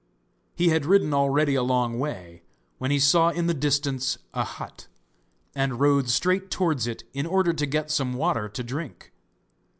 He had ridden already a long way, when he saw in the distance a hut, and rode straight towards it in order to get some water to drink.